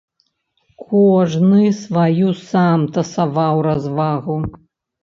Кожны сваю сам тасаваў развагу.